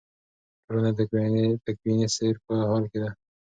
ټولنه د تکویني سیر په حال کې ده.